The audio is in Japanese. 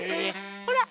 ほら。